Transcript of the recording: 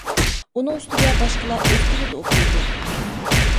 ئۇنىڭ ئۈستىگە باشقىلار ئۆز تىلىدا ئوقۇيدۇ.